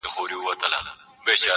د غم او د ښادۍ کمبلي ورکي دي له خلکو!